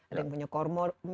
ada yang punya kormor